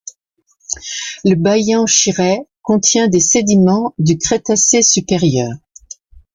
Le Bayan Shireh contient des sédiments du Crétacé supérieur.